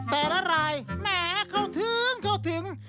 แต่ละรายแหมเข้าถึงเข้าถึง